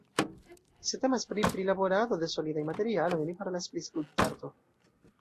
Se temas pri prilaborado de solidaj materialoj oni parolas pri skulptarto.